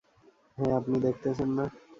হ্যাঁ, আপনি দেখতেছেন না?